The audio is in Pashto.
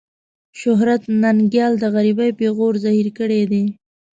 شهرت ننګيال د غريبۍ پېغور زهير کړی دی.